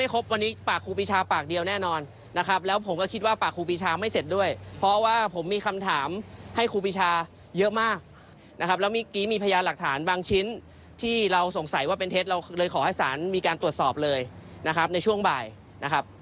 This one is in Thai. เราเลยขอให้สารมีการตรวจสอบเลยนะครับในช่วงบ่ายนะครับ